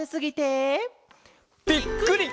ぴっくり！